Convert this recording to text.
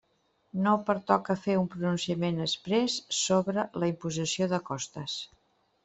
No pertoca fer un pronunciament exprés sobre la imposició de costes.